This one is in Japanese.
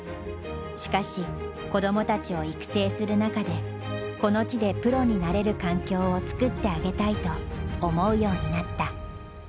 しかし子どもたちを育成する中でこの地でプロになれる環境を作ってあげたいと思うようになった。